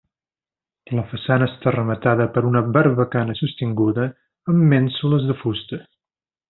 La façana està rematada per una barbacana sostinguda amb mènsules de fusta.